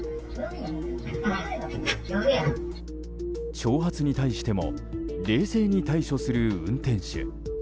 挑発に対しても冷静に対処する運転手。